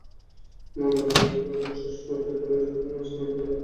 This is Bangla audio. মল্লযুদ্ধ শেষ হতেই কুরাইশ বাহিনী মুসলমানদের উপর একযোগে ঝাঁপিয়ে পড়ে।